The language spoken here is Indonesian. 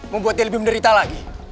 mau buat dia lebih menderita lagi